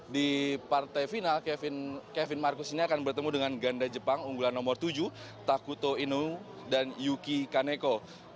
di partai final kevin marcus ini akan bertemu dengan ganda jepang unggulan nomor tujuh takuto inu dan yuki kaneko